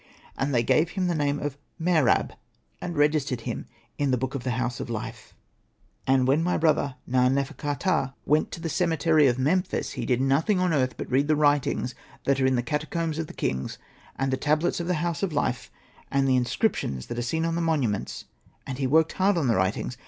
And they gave him the name of Mer ab, and registered him in the book of the ' House of life.' ''And when my brother Na.nefer.ka.ptah Hosted by Google 92 SETNA AND THE MAGIC BOOK went to the cemetery of Memphis, he did nothing on earth but read the writings that are in the catacombs of the kings, and the tablets of the ' House of Hfe,' and the READING THE INSCRIPTION. inscriptions that are seen on the monu ments, and he worked hard on the writings.